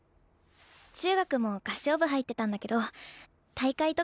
中学も合唱部入ってたんだけど大会とかはダメで。